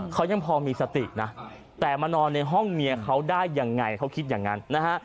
เขายังพอมีสตินะแต่มานอนในห้องเมียเขาได้ยังไงเขาคิดอย่างนั้นนะฮะ